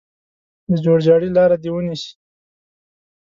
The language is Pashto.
د جوړجاړي لاره دې ونیسي.